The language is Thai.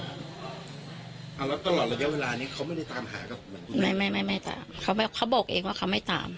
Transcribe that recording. เวลานี้เขาไม่ได้ตามหากับไม่ไม่ไม่ไม่ตามเขาไม่เขาบอกเองว่าเขาไม่ตาม